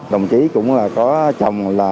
đồng chí cũng là có chồng